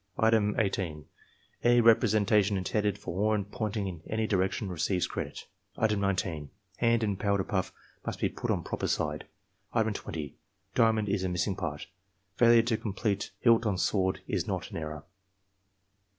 Item, 18. — ^Any representation intended for horn, pointing in any direction, receives credit. Item 19. — Hand and powder puff must be put on proper side. Item 20. — Diamond is the missing part. Failure to complete hilt on sword is not an error.